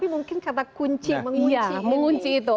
mungkin kata kunci mengunci itu